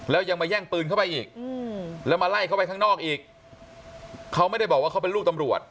แล้วยังมาแย่งปืนเข้าไปอีกแล้วมาไล่เข้าไปข้างนอกอีกเขาไม่ได้บอกว่าเขาเป็นลูกตำรวจ